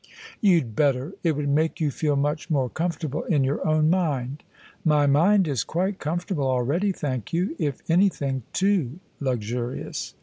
"You'd better. It would make you feel much more comfortable in your own mind." "My mind is quite comfortable already, thank you: if anything, too luxurious."